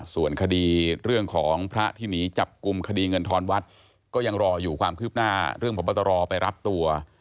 ส่วนคดีเรื่องของพระที่หนีจับกลุ่มคดีเงินทอนวัดก็ยังรออยู่ความคืบหน้าเรื่องพบตรไปรับตัว